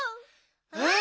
うん！